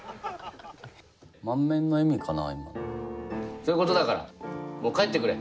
そういうことだからもう帰ってくれ。